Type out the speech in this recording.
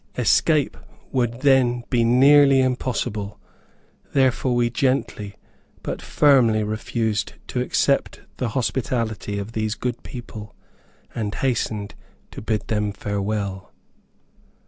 Escape would then be nearly impossible, therefore we gently, but firmly refused to accept the hospitality of these good people, and hastened to bid them farewell.